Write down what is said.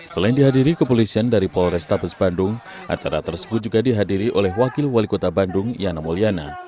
selain dihadiri kepolisian dari polrestabes bandung acara tersebut juga dihadiri oleh wakil wali kota bandung yana mulyana